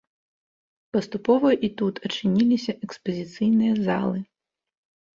Паступова і тут адчыніліся экспазіцыйныя залы.